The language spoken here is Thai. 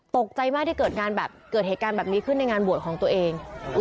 ตกใจมากที่เกิดงานแบบเกิดเหตุการณ์แบบนี้ขึ้นในงานบวชของตัวเอง